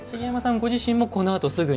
ご自身もこのあとすぐ。